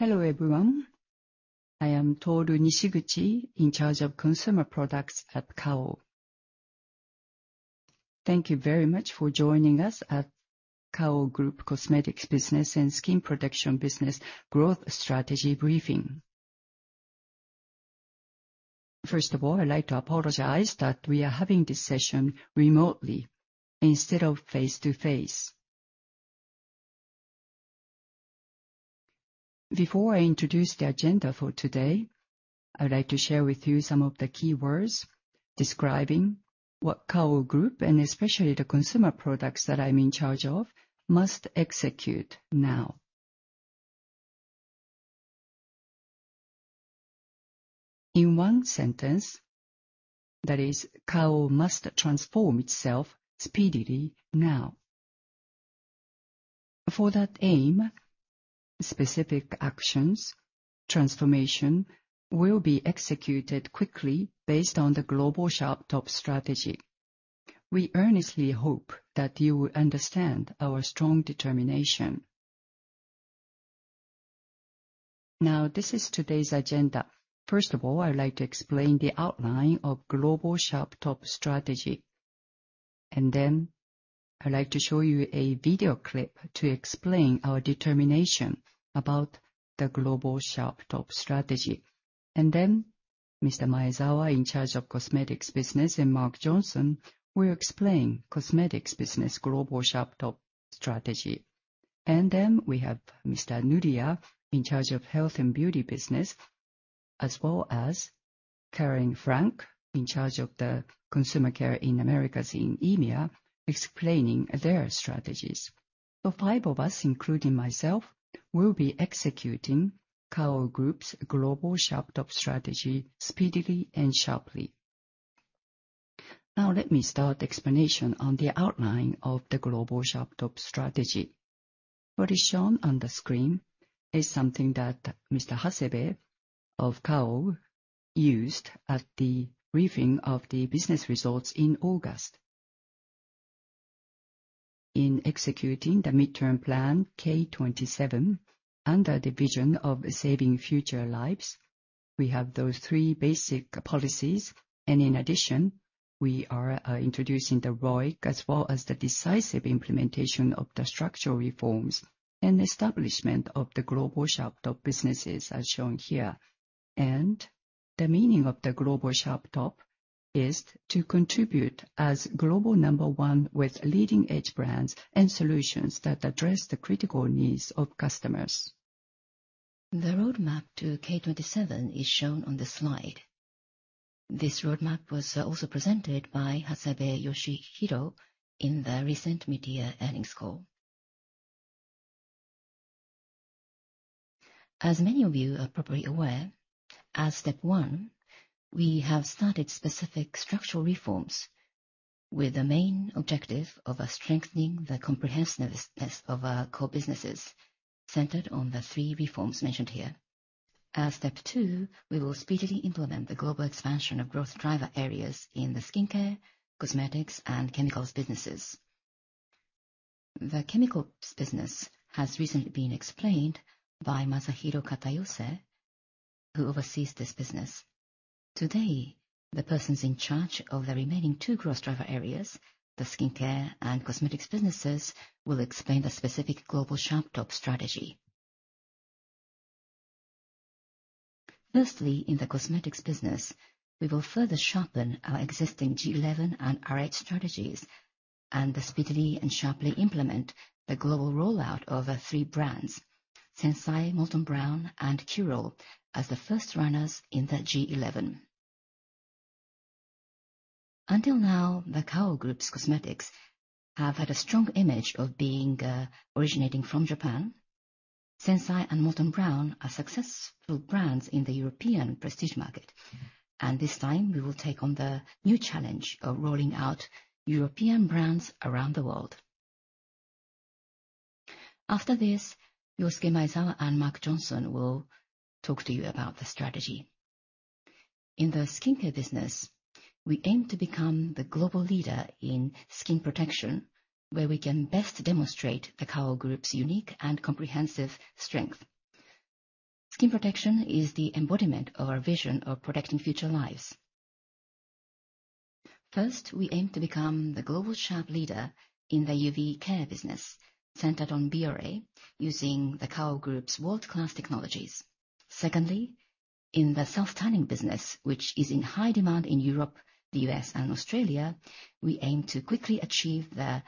Hello everyone. I am Toru Nishiguchi, in charge of consumer products at Kao. Thank you very much for joining us at Kao Group Cosmetics Business and Skin Protection Business Growth Strategy briefing. First of all, I'd like to apologize that we are having this session remotely instead of face-to-face. Before I introduce the agenda for today, I'd like to share with you some of the key words describing what Kao Group, and especially the consumer products that I'm in charge of, must execute now. In one sentence, that is, Kao must transform itself speedily now. For that aim, specific actions, transformation will be executed quickly based on the Global Sharp Top strategy. We earnestly hope that you will understand our strong determination. Now, this is today's agenda. First of all, I'd like to explain the outline of Global Sharp Top strategy. Then I'd like to show you a video clip to explain our determination about the Global Sharp Top strategy. Then Mr. Maezawa, in charge of Cosmetics Business, and Mark Johnson will explain Cosmetics Business Global Sharp Top strategy. Then we have Mr. Nuria, in charge of health and beauty business, as well as Karen Frank, in charge of the consumer care in Americas and EMEA, explaining their strategies. The five of us, including myself, will be executing Kao Group's Global Sharp Top strategy speedily and sharply. Now let me start the explanation on the outline of the Global Sharp Top strategy. What is shown on the screen is something that Mr. Hasebe of Kao used at the briefing of the business results in August. In executing the midterm plan K27, under the vision of saving future lives, we have those three basic policies. In addition, we are introducing the ROIC as well as the decisive implementation of the structural reforms and establishment of the Global Sharp Top businesses as shown here. The meaning of the Global Sharp Top is to contribute as global number one with leading-edge brands and solutions that address the critical needs of customers. The roadmap to K27 is shown on the slide. This roadmap was also presented by Hasebe Yoshihiro in the recent media earnings call. As many of you are probably aware, as step 1, we have started specific structural reforms with the main objective of strengthening the comprehensiveness of our core businesses centered on the three reforms mentioned here. As step 2, we will speedily implement the global expansion of growth driver areas in the Skincare, Cosmetics, and Chemicals Businesses. The Chemicals Business has recently been explained by Masahiro Katayose, who oversees this business. Today, the persons in charge of the remaining two growth driver areas, the Skincare and Cosmetics Businesses, will explain the specific Global Sharp Top strategy. In the Cosmetics Business, we will further sharpen our existing G11 and R8 strategies and speedily and sharply implement the global rollout of our three brands, Sensai, Molton Brown, and Curél, as the first runners in the G11. Until now, the Kao Group's cosmetics have had a strong image of being originating from Japan. Sensai and Molton Brown are successful brands in the European prestige market, and this time we will take on the new challenge of rolling out European brands around the world. After this, Yosuke Maezawa and Mark Johnson will talk to you about the strategy. In the skincare business, we aim to become the global leader in skin protection, where we can best demonstrate the Kao Group's unique and comprehensive strength. Skin protection is the embodiment of our vision of protecting future lives. First, we aim to become the Global Sharp Top leader in the UV care business centered on Bioré, using the Kao Group's world-class technologies. Secondly, in the self-tanning business, which is in high demand in Europe, the U.S., and Australia, we aim to quickly achieve the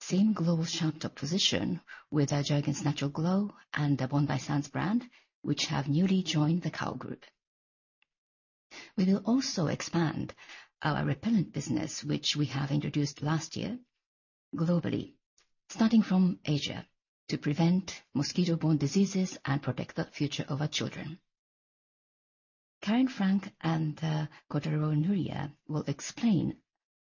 same Global Sharp Top position with our Jergens Natural Glow and the Bondi Sands brand, which have newly joined the Kao Group. We will also expand our repellent business, which we have introduced last year, globally, starting from Asia, to prevent mosquito-borne diseases and protect the future of our children. Karen Frank and Kotaro Nuriya will explain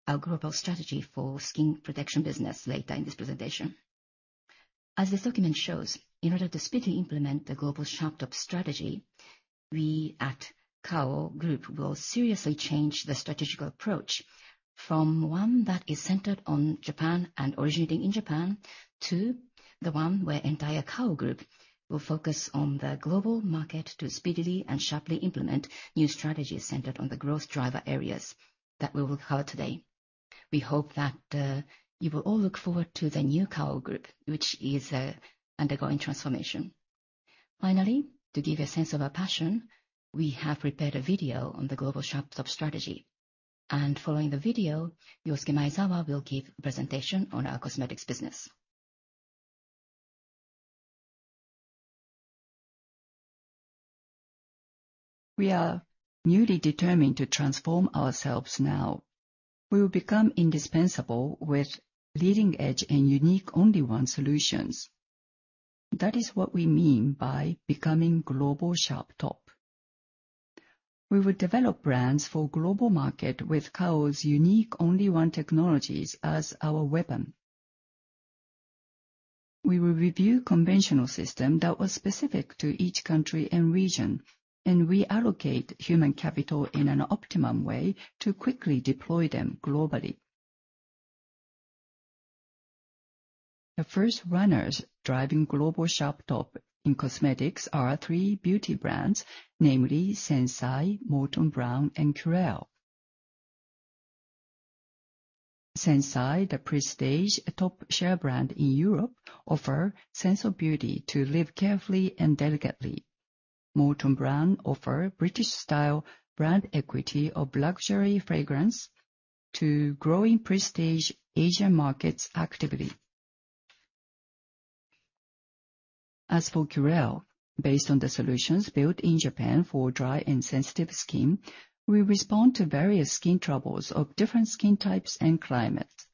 our global strategy for skin protection business later in this presentation. As this document shows, in order to speedily implement the Global Sharp Top strategy, we at Kao Group will seriously change the strategic approach from one that is centered on Japan and originating in Japan, to the one where entire Kao Group will focus on the global market to speedily and sharply implement new strategies centered on the growth driver areas that we will cover today. We hope that you will all look forward to the new Kao Group, which is undergoing transformation. Finally, to give a sense of our passion, we have prepared a video on the Global Sharp Top strategy. Following the video, Yosuke Maezawa will give a presentation on our Cosmetics Business. We are newly determined to transform ourselves now. We will become indispensable with leading-edge and unique Only 1 Solutions. That is what we mean by becoming Global Sharp Top. We will develop brands for global market with Kao's unique Only 1 technologies as our weapon. We will review conventional system that was specific to each country and region, and reallocate human capital in an optimum way to quickly deploy them globally. The first runners driving Global Sharp Top in cosmetics are our three beauty brands, namely Sensai, Molton Brown, and Curél. Sensai, the prestige top share brand in Europe, offer sense of beauty to live carefully and delicately. Molton Brown offer British style brand equity of luxury fragrance to growing prestige Asian markets actively. As for Curél, based on the solutions built in Japan for dry and sensitive skin, we respond to various skin troubles of different skin types and climates.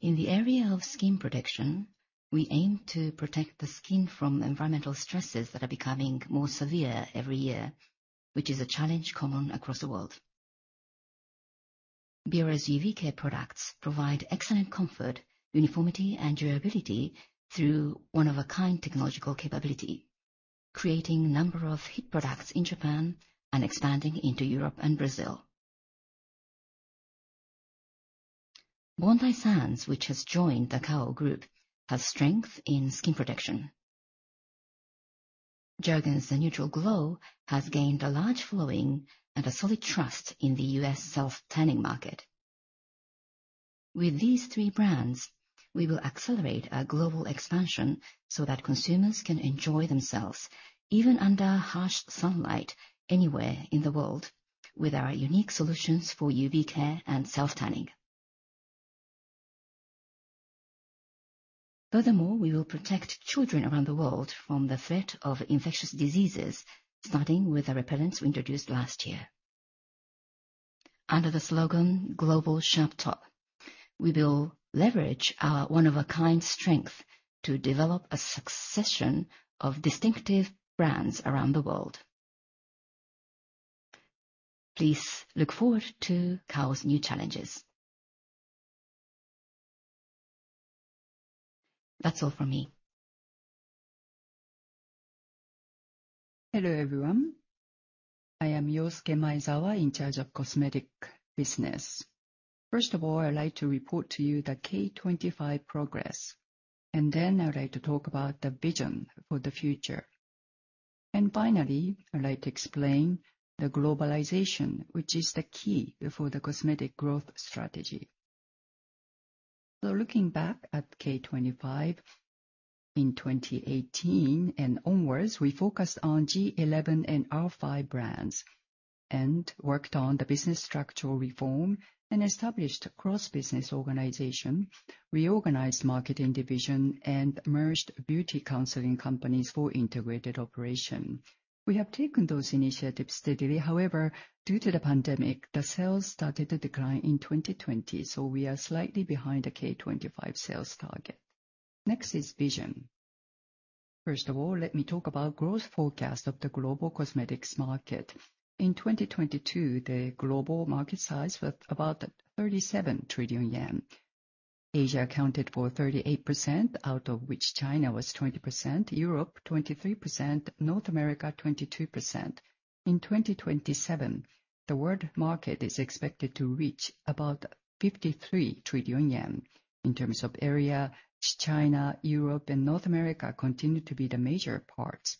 In the area of skin protection, we aim to protect the skin from environmental stresses that are becoming more severe every year, which is a challenge common across the world. Bioré's UV care products provide excellent comfort, uniformity, and durability through one-of-a-kind technological capability, creating a number of hit products in Japan and expanding into Europe and Brazil. Bondi Sands, which has joined the Kao Group, has strength in skin protection. Jergens Natural Glow has gained a large following and a solid trust in the U.S. self-tanning market. With these three brands, we will accelerate our global expansion so that consumers can enjoy themselves even under harsh sunlight anywhere in the world with our unique solutions for UV care and self-tanning. Furthermore, we will protect children around the world from the threat of infectious diseases, starting with the repellents we introduced last year. Under the slogan Global Sharp Top, we will leverage our one-of-a-kind strength to develop a succession of distinctive brands around the world. Please look forward to Kao's new challenges. That is all from me. Hello, everyone. I am Yosuke Maezawa, in charge of Cosmetics Business. First of all, I would like to report to you the K25 progress, then I would like to talk about the vision for the future. Finally, I would like to explain the globalization, which is the key for the cosmetic growth strategy. Looking back at K25 in 2018 and onwards, we focused on G11 and R5 brands and worked on the business structural reform and established cross-business organization. We organized marketing division and merged beauty counseling companies for integrated operation. We have taken those initiatives steadily. However, due to the pandemic, the sales started to decline in 2020, so we are slightly behind the K25 sales target. Next is vision. First of all, let me talk about growth forecast of the global cosmetics market. In 2022, the global market size was about 37 trillion yen. Asia accounted for 38%, out of which China was 20%, Europe 23%, North America 22%. In 2027, the world market is expected to reach about 53 trillion yen. In terms of area, China, Europe, and North America continue to be the major parts.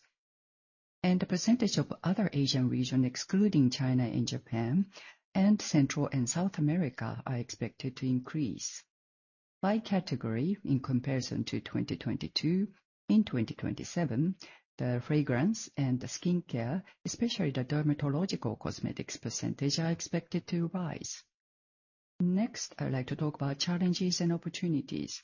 The percentage of other Asian region excluding China and Japan, and Central and South America are expected to increase. By category, in comparison to 2022, in 2027, the fragrance and the skincare, especially the dermatological cosmetics percentage are expected to rise. Next, I would like to talk about challenges and opportunities.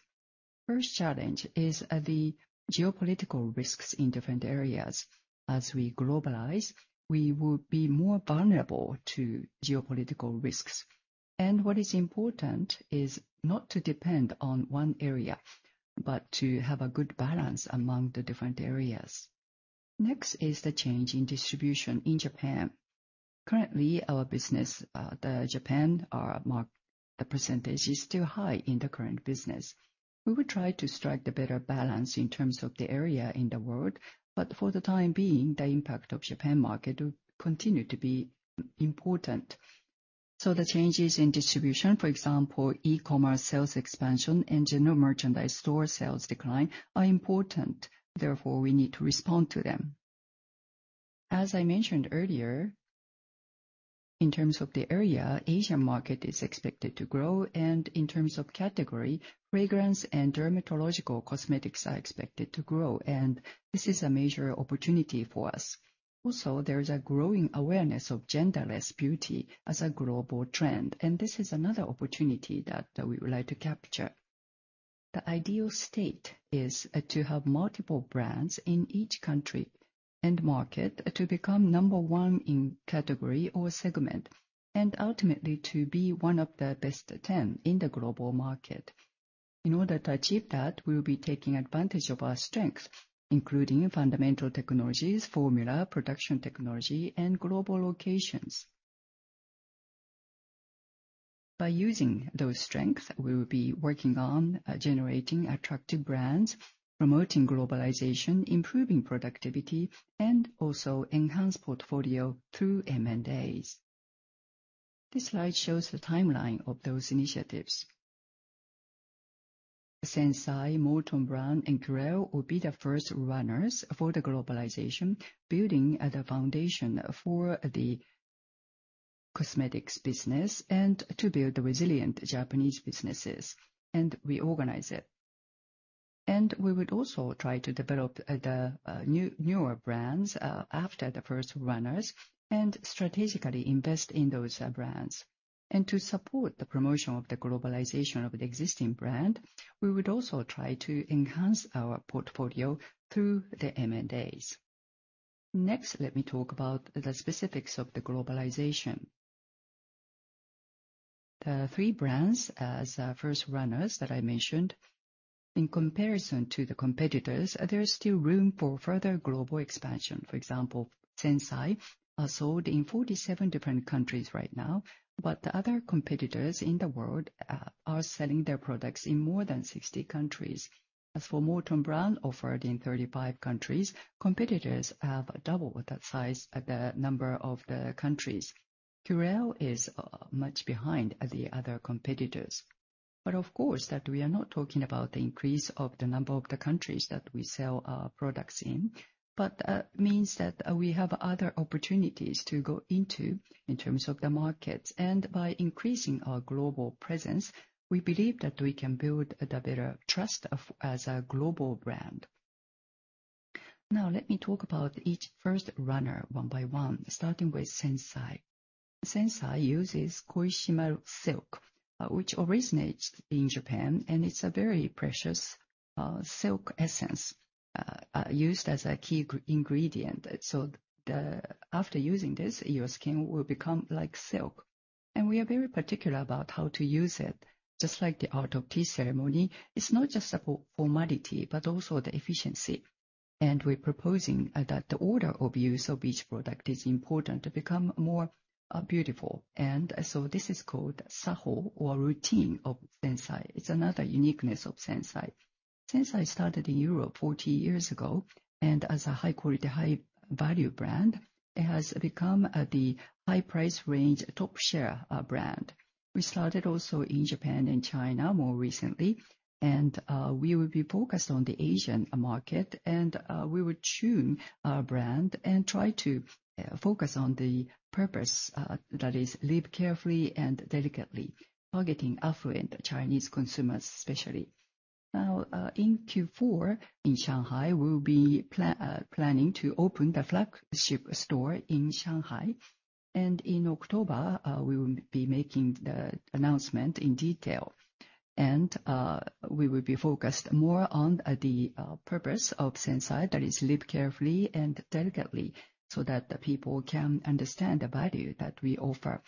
First challenge is the geopolitical risks in different areas. As we globalize, we will be more vulnerable to geopolitical risks. What is important is not to depend on one area, but to have a good balance among the different areas. Next is the change in distribution in Japan. Currently, our business, the Japan market percentage is still high in the current business. We will try to strike a better balance in terms of the area in the world, but for the time being, the impact of Japan market will continue to be important. The changes in distribution, for example, e-commerce sales expansion and general merchandise store sales decline, are important, therefore, we need to respond to them. As I mentioned earlier, in terms of the area, Asian market is expected to grow, and in terms of category, fragrance and dermatological cosmetics are expected to grow, and this is a major opportunity for us. Also, there is a growing awareness of genderless beauty as a global trend, and this is another opportunity that we would like to capture. The ideal state is to have multiple brands in each country and market to become number one in category or segment, and ultimately to be one of the best 10 in the global market. In order to achieve that, we will be taking advantage of our strengths, including fundamental technologies, formula, production technology, and global locations. By using those strengths, we will be working on generating attractive brands, promoting globalization, improving productivity, and also enhance portfolio through M&As. This slide shows the timeline of those initiatives. Sensai, Molton Brown, and Curél will be the first runners for the globalization, building the foundation for the Cosmetics Business and to build the resilient Japanese businesses and reorganize it. We would also try to develop the newer brands after the first runners and strategically invest in those brands. To support the promotion of the globalization of the existing brand, we would also try to enhance our portfolio through the M&As. Let me talk about the specifics of the globalization. The three brands as first runners that I mentioned, in comparison to the competitors, there is still room for further global expansion. For example, Sensai are sold in 47 different countries right now, but the other competitors in the world are selling their products in more than 60 countries. As for Molton Brown, offered in 35 countries, competitors have double that size, the number of the countries. Curél is much behind the other competitors. Of course, we are not talking about the increase of the number of the countries that we sell our products in, but that means that we have other opportunities to go into in terms of the markets. By increasing our global presence, we believe that we can build a better trust as a global brand. Let me talk about each first runner one by one, starting with Sensai. Sensai uses Koishimaru Silk, which originates in Japan, and it is a very precious silk essence used as a key ingredient. So after using this, your skin will become like silk. We are very particular about how to use it. Just like the art of tea ceremony, it is not just a formality, but also the efficiency. We are proposing that the order of use of each product is important to become more beautiful. This is called Saho, or routine of Sensai. It is another uniqueness of Sensai. Sensai started in Europe 40 years ago, and as a high-quality, high-value brand, it has become the high price range top share brand. We started also in Japan and China more recently, and we will be focused on the Asian market, and we will tune our brand and try to focus on the purpose, that is, live carefully and delicately, targeting affluent Chinese consumers, especially. In Q4 in Shanghai, we will be planning to open the flagship store in Shanghai. In October, we will be making the announcement in detail. We will be focused more on the purpose of Sensai, that is, live carefully and delicately, so that the people can understand the value that we offer.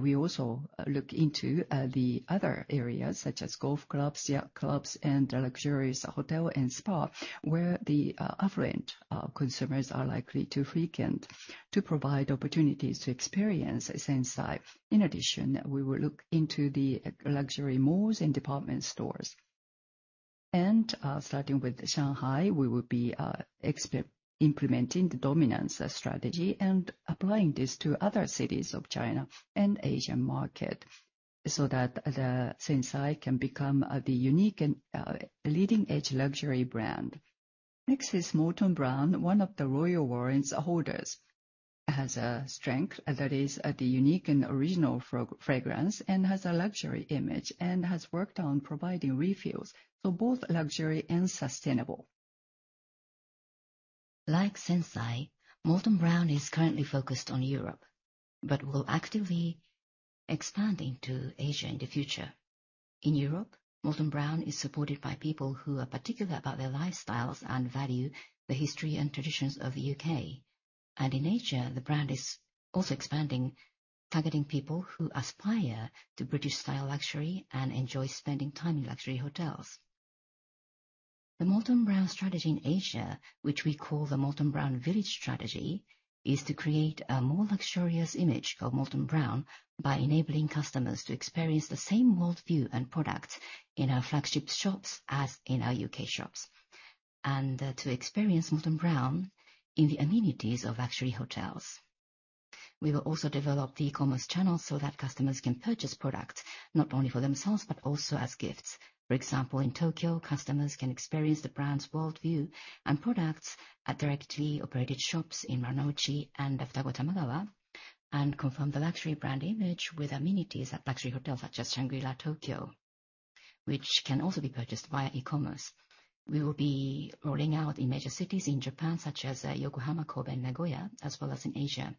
We also look into the other areas such as golf clubs, yacht clubs, and the luxurious hotel and spa, where the affluent consumers are likely to frequent to provide opportunities to experience Sensai. In addition, we will look into the luxury malls and department stores. Starting with Shanghai, we will be implementing the dominance strategy and applying this to other cities of China and Asian market so that Sensai can become the unique and leading-edge luxury brand. Next is Molton Brown, one of the Royal Warrants holders. It has a strength, that is the unique and original fragrance and has a luxury image and has worked on providing refills for both luxury and sustainable. Like Sensai, Molton Brown is currently focused on Europe, but will actively expand into Asia in the future. In Europe, Molton Brown is supported by people who are particular about their lifestyles and value the history and traditions of the U.K. In Asia, the brand is also expanding, targeting people who aspire to British-style luxury and enjoy spending time in luxury hotels The Molton Brown strategy in Asia, which we call the Molton Brown Village strategy, is to create a more luxurious image for Molton Brown by enabling customers to experience the same worldview and products in our flagship shops as in our U.K. shops, and to experience Molton Brown in the amenities of luxury hotels. We will also develop the e-commerce channel so that customers can purchase products not only for themselves but also as gifts. For example, in Tokyo, customers can experience the brand's worldview and products at directly operated shops in Marunouchi and Daikanyama and confirm the luxury brand image with amenities at luxury hotels such as Shangri-La Tokyo, which can also be purchased via e-commerce. We will be rolling out in major cities in Japan such as Yokohama, Kobe, and Nagoya, as well as in Asia.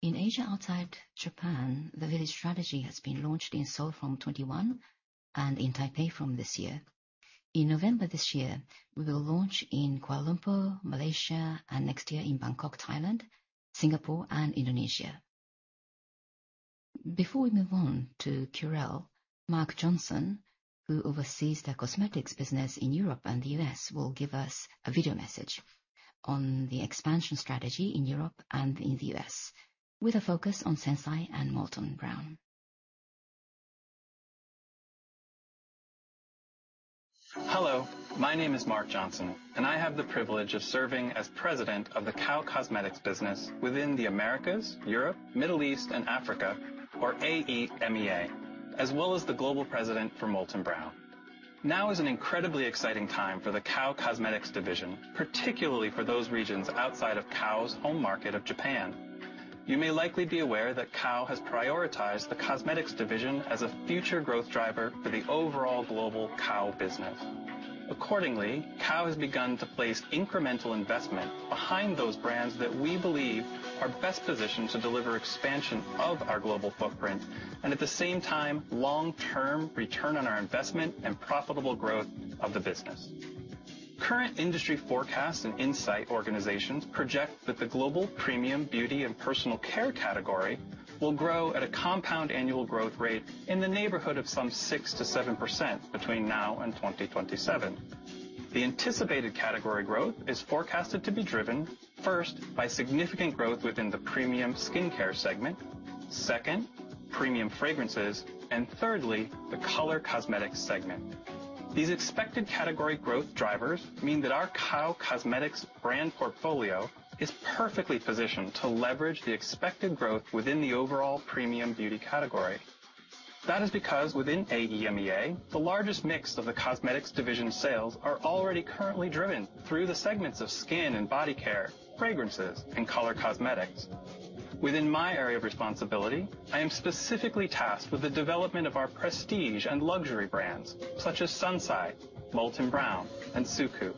In Asia outside Japan, the village strategy has been launched in Seoul from 2021 and in Taipei from this year. In November this year, we will launch in Kuala Lumpur, Malaysia, and next year in Bangkok, Thailand, Singapore, and Indonesia. Before we move on to Curél, Mark Johnson, who oversees the cosmetics business in Europe and the U.S., will give us a video message on the expansion strategy in Europe and in the U.S. with a focus on Sensai and Molton Brown. Hello, my name is Mark Johnson, and I have the privilege of serving as president of the Kao Cosmetics business within the Americas, Europe, Middle East, and Africa, or AEMEA, as well as the global president for Molton Brown. Now is an incredibly exciting time for the Kao Cosmetics division, particularly for those regions outside of Kao's home market of Japan. You may likely be aware that Kao has prioritized the cosmetics division as a future growth driver for the overall global Kao business. Accordingly, Kao has begun to place incremental investment behind those brands that we believe are best positioned to deliver expansion of our global footprint and, at the same time, long-term return on our investment and profitable growth of the business. Current industry forecasts and insight organizations project that the global premium beauty and personal care category will grow at a compound annual growth rate in the neighborhood of 6%-7% between now and 2027. The anticipated category growth is forecasted to be driven first by significant growth within the premium skincare segment, second, premium fragrances, and thirdly, the color cosmetics segment. These expected category growth drivers mean that our Kao Cosmetics brand portfolio is perfectly positioned to leverage the expected growth within the overall premium beauty category. That is because within AEMEA, the largest mix of the cosmetics division sales are already currently driven through the segments of skin and body care, fragrances, and color cosmetics. Within my area of responsibility, I am specifically tasked with the development of our prestige and luxury brands such as Sensai, Molton Brown, and SUQQU.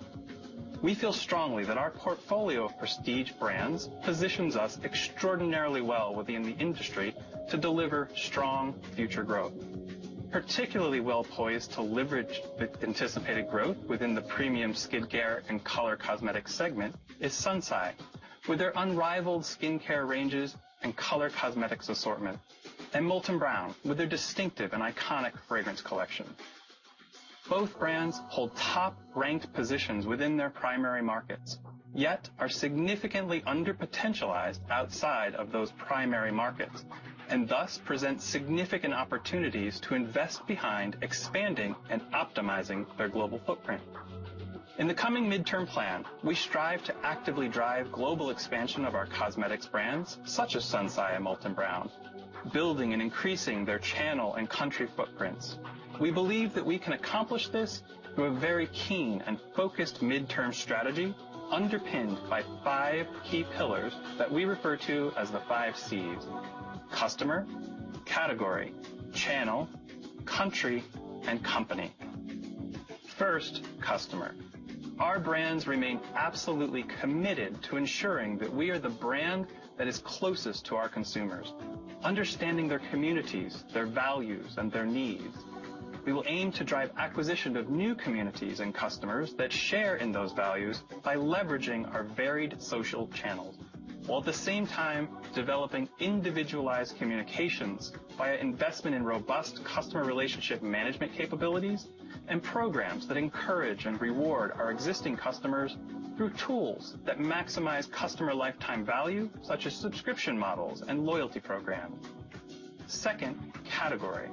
We feel strongly that our portfolio of prestige brands positions us extraordinarily well within the industry to deliver strong future growth. Particularly well-poised to leverage the anticipated growth within the premium skincare and color cosmetics segment is Sensai, with their unrivaled skincare ranges and color cosmetics assortment, and Molton Brown with their distinctive and iconic fragrance collection. Both brands hold top-ranked positions within their primary markets, yet are significantly underpotentialized outside of those primary markets, and thus present significant opportunities to invest behind expanding and optimizing their global footprint. In the coming midterm plan, we strive to actively drive global expansion of our cosmetics brands such as Sensai and Molton Brown, building and increasing their channel and country footprints. We believe that we can accomplish this through a very keen and focused midterm strategy underpinned by five key pillars that we refer to as the five Cs: customer, category, channel, country, and company. First, customer. Our brands remain absolutely committed to ensuring that we are the brand that is closest to our consumers, understanding their communities, their values, and their needs. We will aim to drive acquisition of new communities and customers that share in those values by leveraging our varied social channels, while at the same time developing individualized communications via investment in robust customer relationship management capabilities and programs that encourage and reward our existing customers through tools that maximize customer lifetime value, such as subscription models and loyalty programs. Second, category.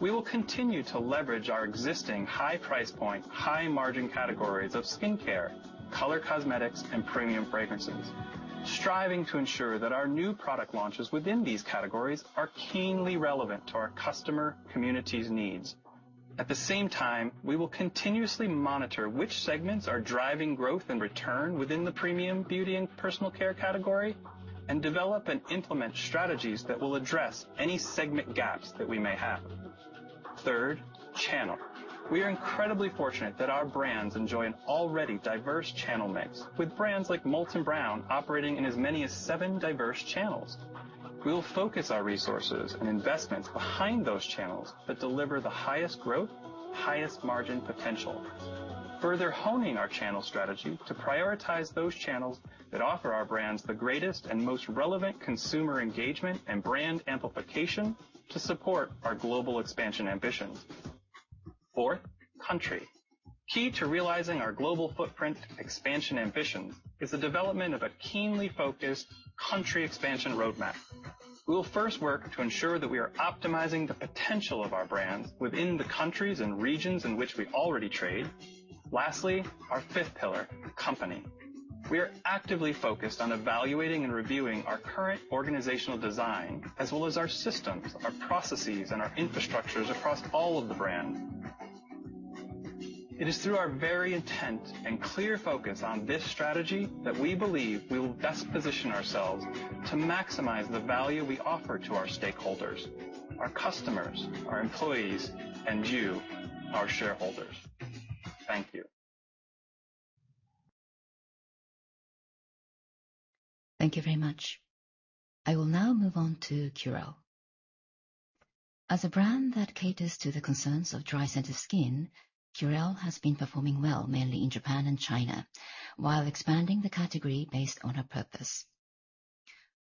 We will continue to leverage our existing high price point, high margin categories of skincare, color cosmetics, and premium fragrances, striving to ensure that our new product launches within these categories are keenly relevant to our customer community's needs. At the same time, we will continuously monitor which segments are driving growth and return within the premium beauty and personal care category and develop and implement strategies that will address any segment gaps that we may have. Third, channel. We are incredibly fortunate that our brands enjoy an already diverse channel mix, with brands like Molton Brown operating in as many as seven diverse channels. We will focus our resources and investments behind those channels that deliver the highest growth, highest margin potential. Further honing our channel strategy to prioritize those channels that offer our brands the greatest and most relevant consumer engagement and brand amplification to support our global expansion ambitions. Fourth, country. Key to realizing our global footprint expansion ambitions is the development of a keenly focused country expansion roadmap. We will first work to ensure that we are optimizing the potential of our brands within the countries and regions in which we already trade. Lastly, our fifth pillar, company. We are actively focused on evaluating and reviewing our current organizational design as well as our systems, our processes, and our infrastructures across all of the brands. It is through our very intent and clear focus on this strategy that we believe we will best position ourselves to maximize the value we offer to our stakeholders, our customers, our employees, and you, our shareholders. Thank you. Thank you very much. I will now move on to Curél. As a brand that caters to the concerns of dry, sensitive skin, Curél has been performing well mainly in Japan and China while expanding the category based on our purpose.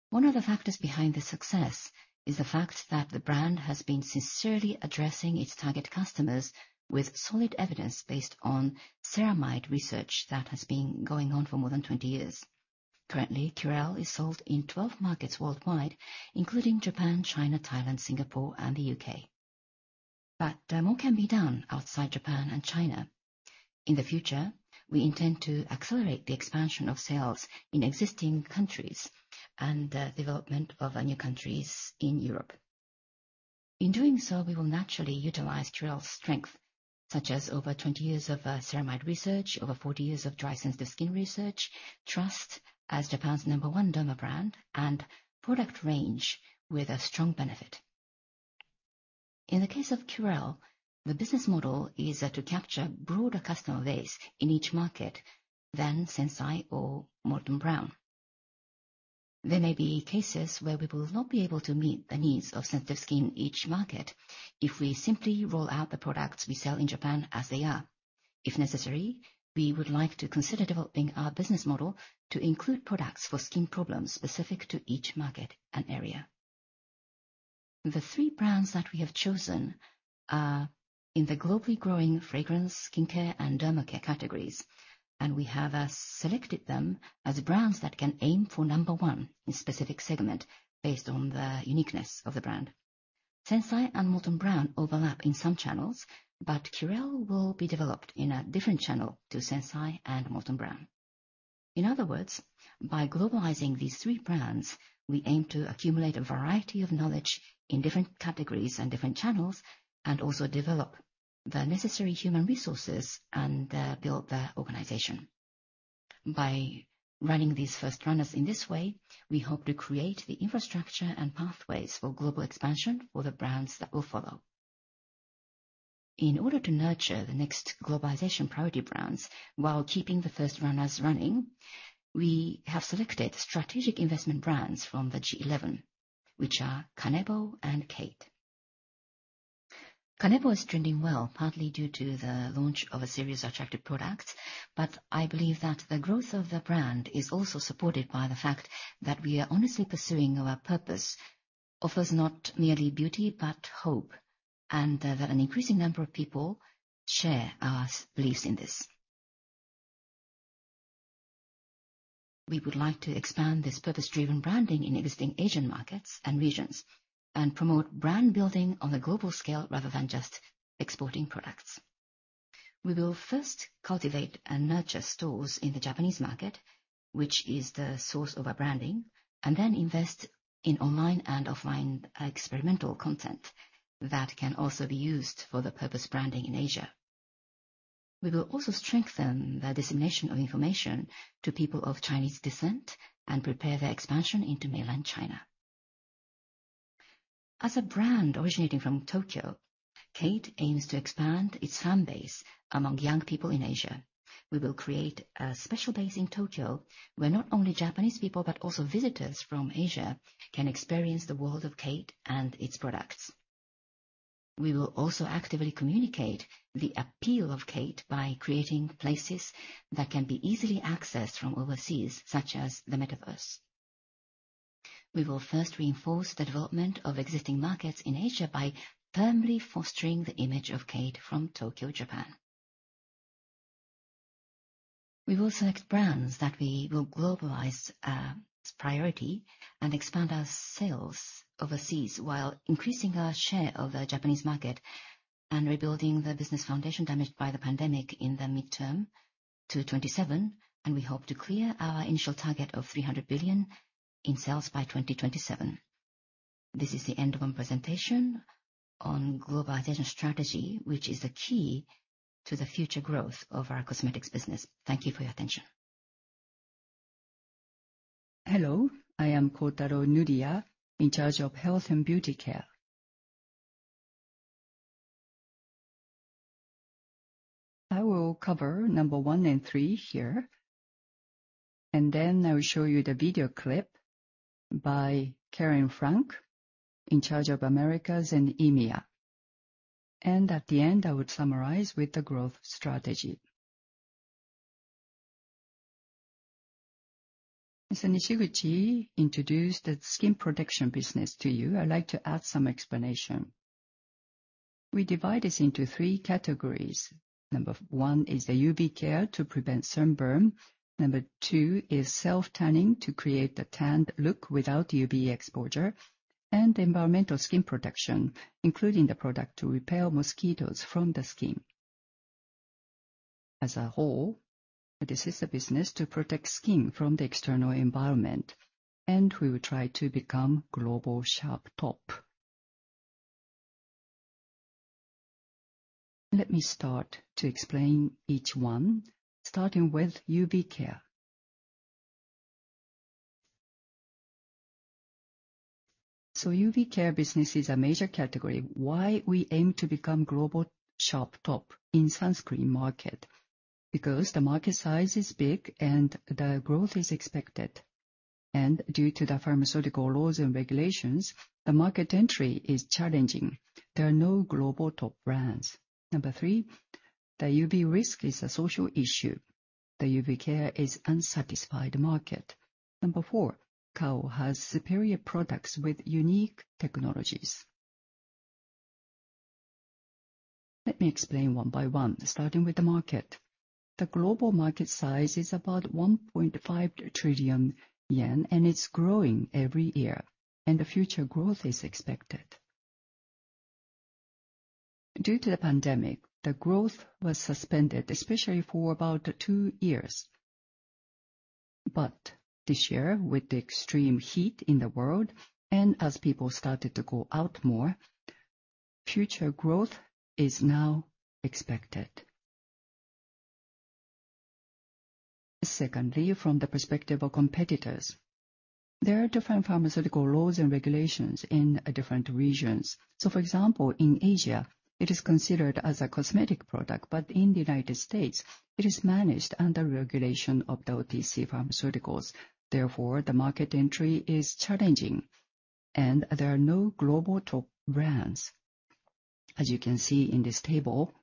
One of the factors behind the success is the fact that the brand has been sincerely addressing its target customers with solid evidence based on ceramide research that has been going on for more than 20 years. Currently, Curél is sold in 12 markets worldwide, including Japan, China, Thailand, Singapore, and the U.K. More can be done outside Japan and China. In the future, we intend to accelerate the expansion of sales in existing countries and the development of new countries in Europe. In doing so, we will naturally utilize Curél's strength, such as over 20 years of ceramide research, over 40 years of dry sensitive skin research, trust as Japan's number one derma brand, and product range with a strong benefit. In the case of Curél, the business model is to capture broader customer base in each market than Sensai or Molton Brown. There may be cases where we will not be able to meet the needs of sensitive skin in each market if we simply roll out the products we sell in Japan as they are. If necessary, we would like to consider developing our business model to include products for skin problems specific to each market and area. The three brands that we have chosen are in the globally growing fragrance, skincare, and derma care categories. We have selected them as brands that can aim for number one in specific segment based on the uniqueness of the brand. Sensai and Molton Brown overlap in some channels. Curél will be developed in a different channel to Sensai and Molton Brown. In other words, by globalizing these three brands, we aim to accumulate a variety of knowledge in different categories and different channels, also develop the necessary human resources and build the organization. By running these first runners in this way, we hope to create the infrastructure and pathways for global expansion for the brands that will follow. In order to nurture the next globalization priority brands while keeping the first runners running, we have selected strategic investment brands from the G11, which are KANEBO and KATE. KANEBO is trending well, partly due to the launch of a series of attractive products, but I believe that the growth of the brand is also supported by the fact that we are honestly pursuing our purpose, offers not merely beauty, but hope, and that an increasing number of people share our beliefs in this. We would like to expand this purpose-driven branding in existing Asian markets and regions and promote brand building on a global scale rather than just exporting products. We will first cultivate and nurture stores in the Japanese market, which is the source of our branding, and then invest in online and offline experimental content that can also be used for the purpose branding in Asia. We will also strengthen the dissemination of information to people of Chinese descent and prepare their expansion into mainland China. As a brand originating from Tokyo, KATE aims to expand its fan base among young people in Asia. We will create a special base in Tokyo where not only Japanese people, but also visitors from Asia can experience the world of KATE and its products. We will also actively communicate the appeal of KATE by creating places that can be easily accessed from overseas, such as the metaverse. We will first reinforce the development of existing markets in Asia by firmly fostering the image of KATE from Tokyo, Japan. We will select brands that we will globalize as priority and expand our sales overseas while increasing our share of the Japanese market and rebuilding the business foundation damaged by the pandemic in the midterm to 2027, and we hope to clear our initial target of 300 billion in sales by 2027. This is the end of our presentation on globalization strategy, which is the key to the future growth of our cosmetics business. Thank you for your attention. Hello, I am Kotaro Nuriya, in charge of health and beauty care. I will cover number 1 and 3 here. Then I will show you the video clip by Karen Frank, in charge of Americas and EMEA. At the end, I would summarize with the growth strategy. Mr. Nishiguchi introduced the skin protection business to you. I'd like to add some explanation. We divide this into 3 categories. Number 1 is the UV care to prevent sunburn. Number 2 is self-tanning to create a tanned look without UV exposure. And environmental skin protection, including the product to repel mosquitoes from the skin. As a whole, this is a business to protect skin from the external environment, and we will try to become Global Sharp Top. Let me start to explain each one, starting with UV care. UV care business is a major category. Why we aim to become Global Sharp Top in sunscreen market? The market size is big and the growth is expected, due to the pharmaceutical laws and regulations, the market entry is challenging. There are no global top brands. Number three, the UV risk is a social issue. The UV care is unsatisfied market. Number four, Kao has superior products with unique technologies. Let me explain one by one, starting with the market. The global market size is about 1.5 trillion yen, it's growing every year, the future growth is expected. Due to the pandemic, the growth was suspended, especially for about two years. This year, with the extreme heat in the world and as people started to go out more, future growth is now expected. Secondly, from the perspective of competitors. There are different pharmaceutical laws and regulations in different regions. For example, in Asia, it is considered as a cosmetic product, but in the U.S., it is managed under regulation of the OTC pharmaceuticals. Therefore, the market entry is challenging, there are no global top brands. As you can see in this table,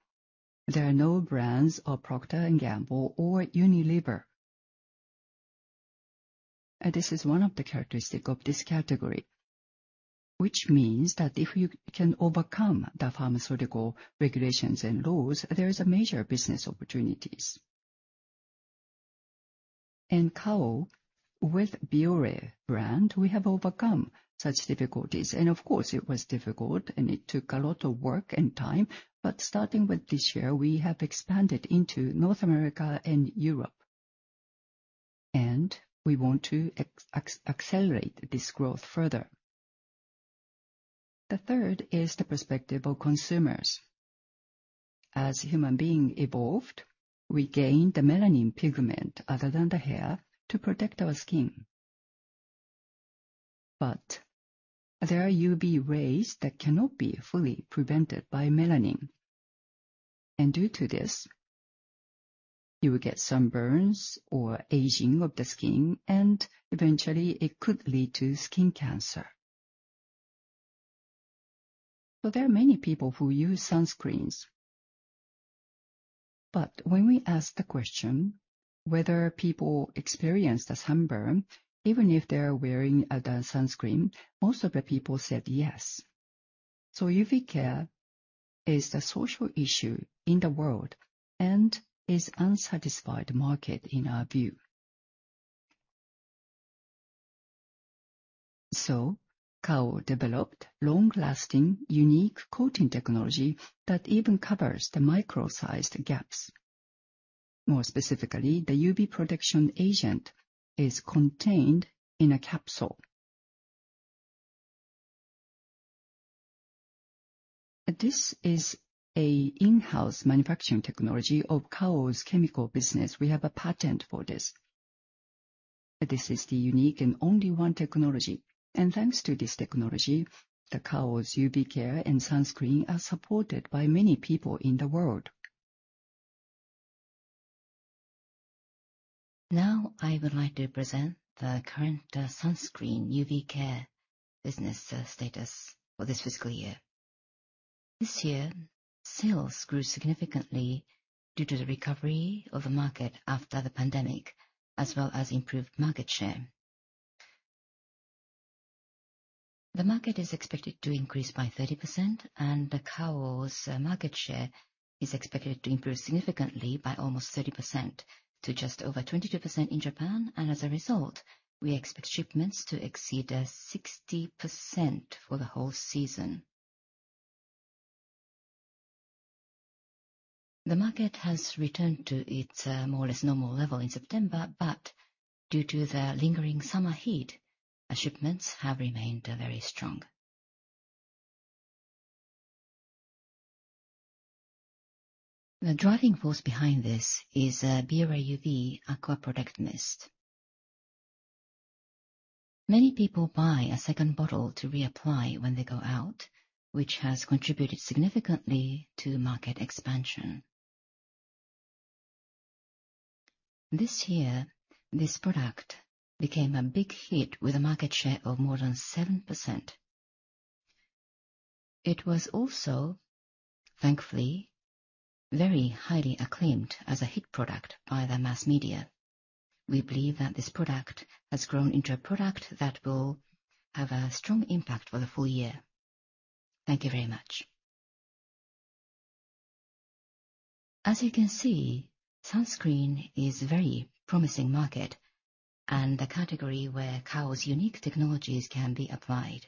there are no brands of Procter & Gamble or Unilever. This is one of the characteristic of this category, which means that if you can overcome the pharmaceutical regulations and laws, there is a major business opportunities. In Kao, with Bioré brand, we have overcome such difficulties, of course it was difficult and it took a lot of work and time, starting with this year, we have expanded into North America and Europe. We want to accelerate this growth further. The third is the perspective of consumers. As human being evolved, we gained the melanin pigment, other than the hair, to protect our skin. There are UV rays that cannot be fully prevented by melanin, due to this, you will get sunburns or aging of the skin, eventually it could lead to skin cancer. There are many people who use sunscreens. When we asked the question whether people experienced a sunburn, even if they are wearing the sunscreen, most of the people said yes. UV care is a social issue in the world and is unsatisfied market, in our view. Kao developed long-lasting, unique coating technology that even covers the micro-sized gaps. More specifically, the UV protection agent is contained in a capsule. This is an in-house manufacturing technology of Kao's Chemical Business. We have a patent for this. This is the unique and only one technology. Thanks to this technology, the Kao's UV care and sunscreen are supported by many people in the world. Now, I would like to present the current sunscreen UV care business status for this fiscal year. This year, sales grew significantly due to the recovery of the market after the pandemic, as well as improved market share. The market is expected to increase by 30%, Kao's market share is expected to improve significantly by almost 30% to just over 22% in Japan. As a result, we expect shipments to exceed 60% for the whole season. The market has returned to its more or less normal level in September, due to the lingering summer heat, shipments have remained very strong. The driving force behind this is Bioré UV Aqua Protect Mist. Many people buy a second bottle to reapply when they go out, which has contributed significantly to market expansion. This year, this product became a big hit with a market share of more than 7%. It was also, thankfully, very highly acclaimed as a hit product by the mass media. We believe that this product has grown into a product that will have a strong impact for the full year. Thank you very much. As you can see, sunscreen is a very promising market and a category where Kao's unique technologies can be applied.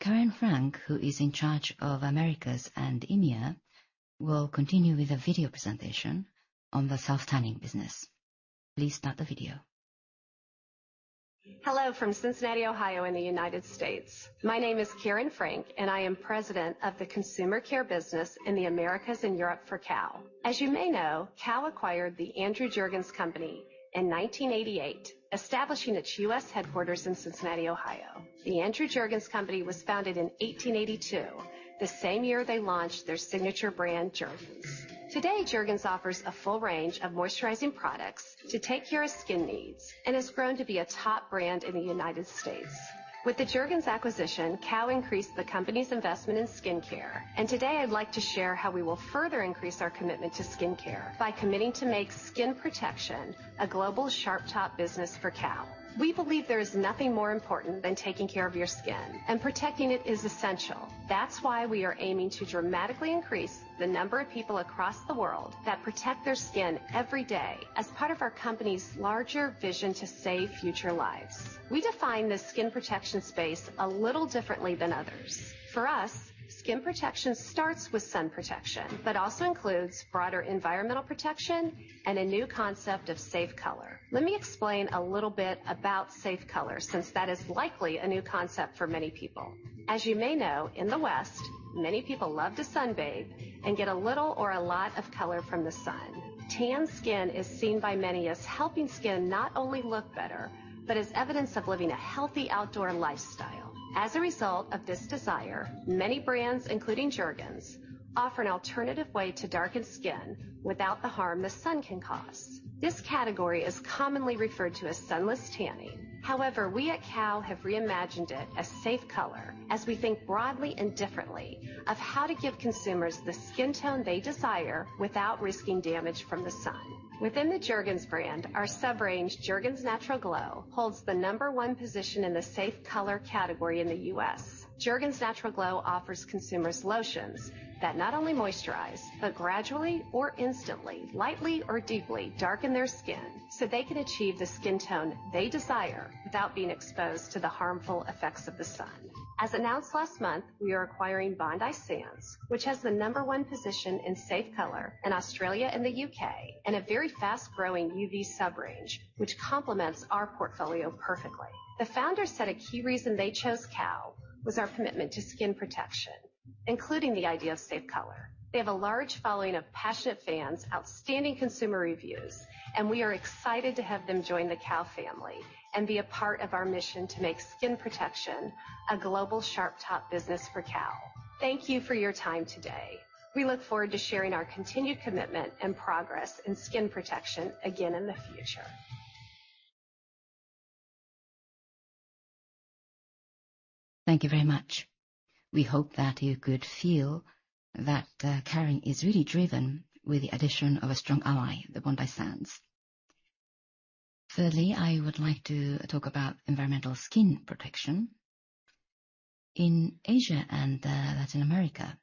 Karen Frank, who is in charge of Americas and EMEA, will continue with a video presentation on the self-tanning business. Please start the video. Hello from Cincinnati, Ohio in the U.S. My name is Karen Frank, and I am President of the consumer care business in the Americas and EMEA for Kao. As you may know, Kao acquired the Andrew Jergens Company in 1988, establishing its U.S. headquarters in Cincinnati, Ohio. The Andrew Jergens Company was founded in 1882, the same year they launched their signature brand, Jergens. Today, Jergens offers a full range of moisturizing products to take care of skin needs and has grown to be a top brand in the U.S. With the Jergens acquisition, Kao increased the company's investment in skincare. Today I'd like to share how we will further increase our commitment to skincare by committing to make skin protection a Global Sharp Top business for Kao. We believe there is nothing more important than taking care of your skin. Protecting it is essential. That's why we are aiming to dramatically increase the number of people across the world that protect their skin every day as part of our company's larger vision to save future lives. We define the skin protection space a little differently than others. For us, skin protection starts with sun protection, but also includes broader environmental protection and a new concept of safe color. Let me explain a little bit about safe color, since that is likely a new concept for many people. As you may know, in the West, many people love to sunbathe and get a little or a lot of color from the sun. Tan skin is seen by many as helping skin not only look better, but as evidence of living a healthy outdoor lifestyle. As a result of this desire, many brands, including Jergens, offer an alternative way to darken skin without the harm the sun can cause. This category is commonly referred to as sunless tanning. However, we at Kao have reimagined it as safe color as we think broadly and differently of how to give consumers the skin tone they desire without risking damage from the sun. Within the Jergens brand, our sub-range, Jergens Natural Glow, holds the number one position in the safe color category in the U.S. Jergens Natural Glow offers consumers lotions that not only moisturize, but gradually or instantly, lightly or deeply darken their skin so they can achieve the skin tone they desire without being exposed to the harmful effects of the sun. As announced last month, we are acquiring Bondi Sands, which has the number 1 position in safe color in Australia and the U.K. and a very fast-growing UV sub-range, which complements our portfolio perfectly. The founder said a key reason they chose Kao was our commitment to skin protection, including the idea of safe color. They have a large following of passionate fans, outstanding consumer reviews, and we are excited to have them join the Kao family and be a part of our mission to make skin protection a Global Sharp Top business for Kao. Thank you for your time today. We look forward to sharing our continued commitment and progress in skin protection again in the future. Thank you very much. We hope that you could feel that Karen is really driven with the addition of a strong ally, the Bondi Sands. I would like to talk about environmental skin protection. In Asia and Latin America,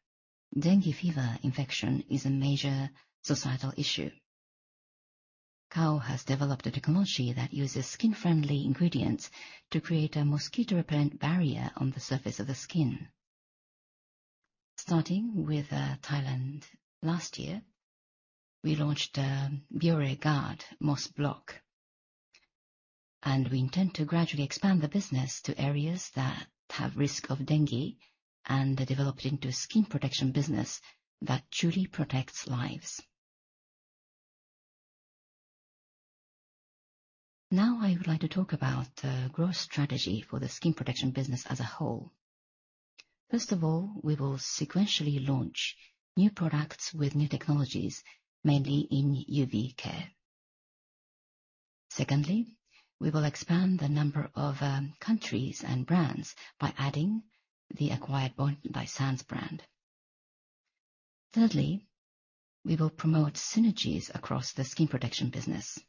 dengue fever infection is a major societal issue. Kao has developed a technology that uses skin-friendly ingredients to create a mosquito repellent barrier on the surface of the skin. Starting with Thailand last year, we launched Bioré GUARD Mos Block, and we intend to gradually expand the business to areas that have risk of dengue and develop it into a skin protection business that truly protects lives. Now, I would like to talk about growth strategy for the skin protection business as a whole. We will sequentially launch new products with new technologies, mainly in UV care. We will expand the number of countries and brands by adding the acquired Bondi Sands brand. We will promote synergies across the skin protection business.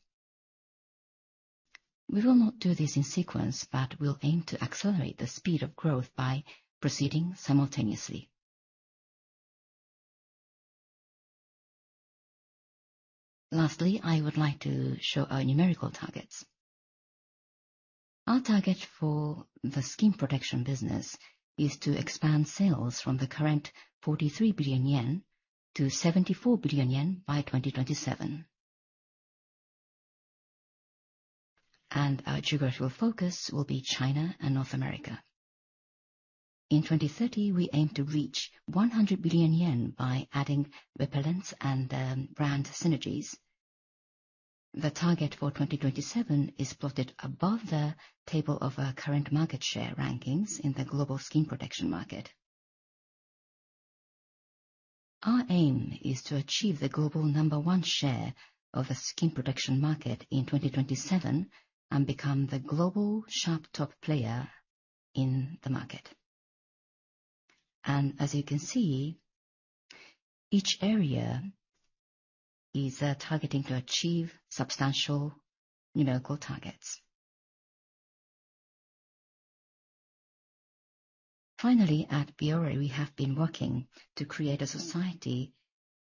We will not do this in sequence, but we'll aim to accelerate the speed of growth by proceeding simultaneously. I would like to show our numerical targets. Our target for the skin protection business is to expand sales from the current 43 billion yen to 74 billion yen by 2027. Our geographical focus will be China and North America. In 2030, we aim to reach 100 billion yen by adding repellents and brand synergies. The target for 2027 is plotted above the table of our current market share rankings in the global skin protection market. Our aim is to achieve the global number 1 share of the skin protection market in 2027 and become the Global Sharp Top player in the market. As you can see, each area is targeting to achieve substantial numerical targets. At Bioré, we have been working to create a society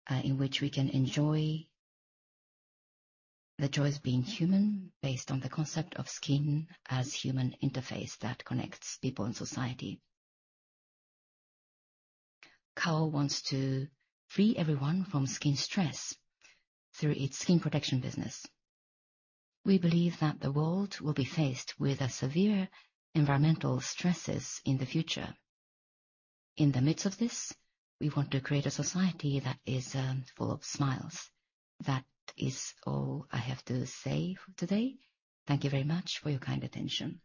in which we can enjoy the joys of being human based on the concept of skin as human interface that connects people and society. Kao wants to free everyone from skin stress through its skin protection business. We believe that the world will be faced with severe environmental stresses in the future. In the midst of this, we want to create a society that is full of smiles. That is all I have to say for today. Thank you very much for your kind attention.